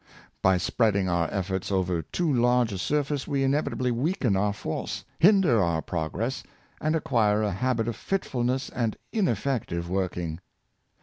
By spreading our efforts over too large a surface we inevitably weaken our force, hinder our progress, and acquire a habit of fitfulness and ineffective working.